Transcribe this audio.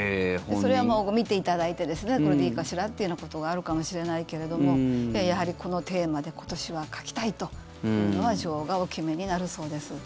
それは見ていただいてこれでいいかしら？ということがあるかもしれないけれどもやはり、このテーマで今年は書きたいというのは女王がお決めになるそうです。